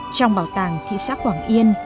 trong bảo tàng thị xã quảng yên